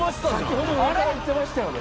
先ほど上からいってましたよね。